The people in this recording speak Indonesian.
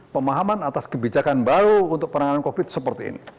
pemahaman atas kebijakan baru untuk penanganan covid seperti ini